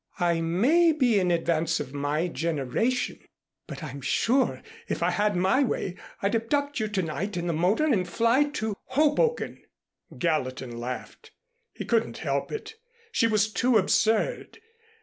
I may be in advance of my generation, but I'm sure if I had my way I'd abduct you to night in the motor and fly to Hoboken." Gallatin laughed. He couldn't help it. She was too absurd.